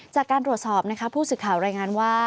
จากการตรวจสอบผู้สื่อข่าวรายงานว่า